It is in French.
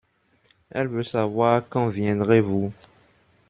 Elle veut savoir quand viendrez-vous.